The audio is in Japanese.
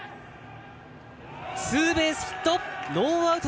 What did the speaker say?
ツーベースヒット。